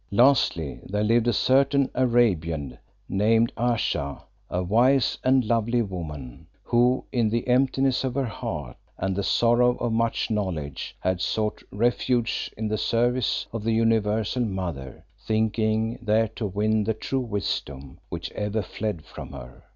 "Lastly there lived a certain Arabian, named Ayesha, a wise and lovely woman, who, in the emptiness of her heart, and the sorrow of much knowledge, had sought refuge in the service of the universal Mother, thinking there to win the true wisdom which ever fled from her.